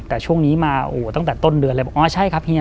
แต่ช่วงนี้มาโอ้โหตั้งแต่ต้นเดือนเลยบอกอ๋อใช่ครับเฮีย